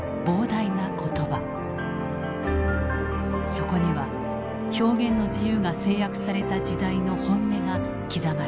そこには表現の自由が制約された時代の本音が刻まれている。